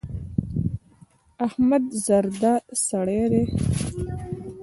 احمد زردا سړی دی.